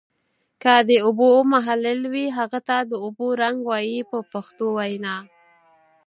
که د اوبو محلل وي هغه ته د اوبو رنګ وایي په پښتو وینا.